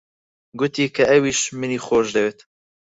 گوتی کە ئەویش منی خۆش دەوێت.